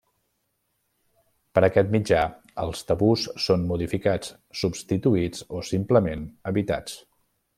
Per aquest mitjà, els tabús són modificats, substituïts o simplement evitats.